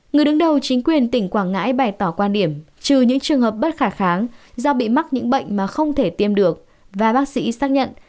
người đứng đầu chính quyền tỉnh quảng ngãi bày tỏ quan điểm trừ những trường hợp bất khả kháng do bị mắc những bệnh mà không thể tiêm được và bác sĩ xác nhận